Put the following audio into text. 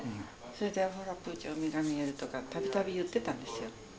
それで「ほらプーちゃん海が見える」とか度々言ってたんですよ。